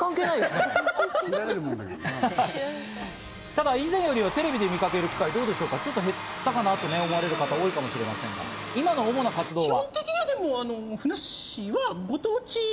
ただ以前よりはテレビで見かける機会、ちょっと減ったかなと思われる方は多いかもしれませんが、今の主な活動は？